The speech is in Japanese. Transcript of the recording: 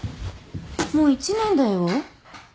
もう１年だよ？